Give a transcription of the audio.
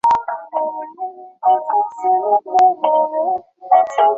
古德沃特是位于美国亚利桑那州纳瓦霍县的一个非建制地区。